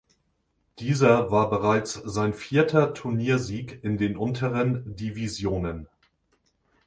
Dieser war bereits sein vierter Turniersieg in den unteren Divisionen.